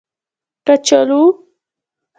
🥔 کچالو